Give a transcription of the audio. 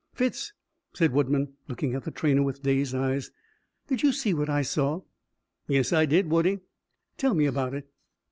"Fitz," said Woodman, looking at the trainer with dazed eyes, "did you see what I saw?" "Yes, I did, Woodie." "Tell me about it."